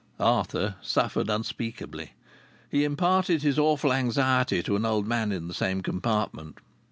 Arthur suffered unspeakably. He imparted his awful anxiety to an old man in the same compartment.